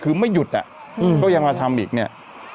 คือไม่หยุดอ่ะก็ยังมาทำอีกเนี่ย